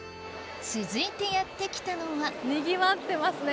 続いてやって来たのはにぎわってますね